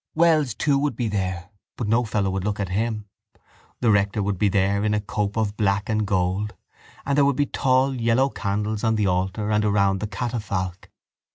Wells too would be there but no fellow would look at him. The rector would be there in a cope of black and gold and there would be tall yellow candles on the altar and round the catafalque.